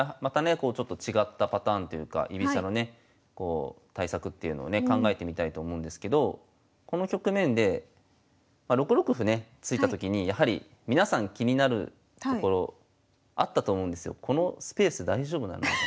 こうちょっと違ったパターンというか居飛車のね対策っていうのをね考えてみたいと思うんですけどこの局面で６六歩ね突いたときにやはり皆さん気になるところあったと思うんですよ。